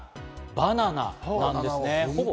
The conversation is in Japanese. バナナなんですね。